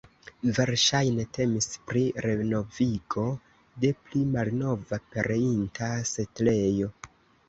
Verŝajne temis pri renovigo de pli malnova pereinta setlejo.